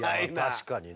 確かにね。